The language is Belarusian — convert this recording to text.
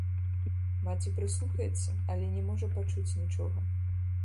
Маці прыслухаецца, але не можа пачуць нічога.